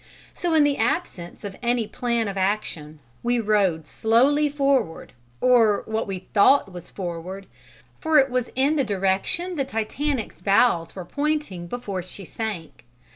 So in the absence of any plan of action, we rowed slowly forward or what we thought was forward, for it was in the direction the Titanic's bows were pointing before she sank.